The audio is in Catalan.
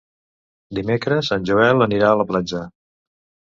Dimecres en Joel anirà a la platja.